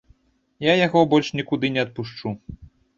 Я яго больш нікуды не адпушчу.